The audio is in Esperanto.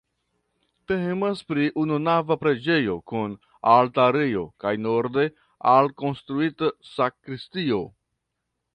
Temas pri ununava preĝejo kun altarejo kaj norde alkonstruita sakristio.